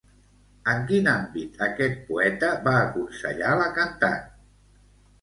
En quin àmbit aquest poeta va aconsellar la cantant?